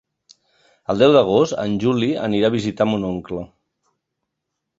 El deu d'agost en Juli anirà a visitar mon oncle.